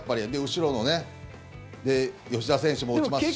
後ろの吉田選手も打ちますし。